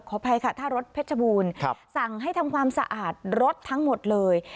อภัยค่ะท่ารถเพชรบูรณ์สั่งให้ทำความสะอาดรถทั้งหมดเลย